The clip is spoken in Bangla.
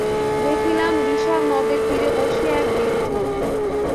দেখিলাম, বিশাল নদের তীরে বসিয়া এক বৃদ্ধ।